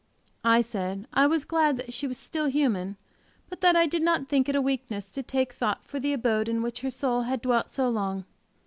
I said I was glad that she was still human but that I did not think it a weakness to take thought for the abode in which her soul had dwelt so long.